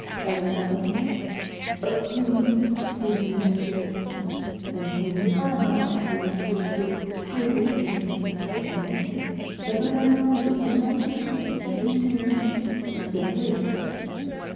Alexandre — of whom he speaks in enthusiastic terms, and whom I am bound to believe was the greatest ventriloquist ever known — has allowed his imagination to mislead him into exaggeration.